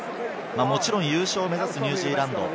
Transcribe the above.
もちろん優勝を目指すニュージーランド。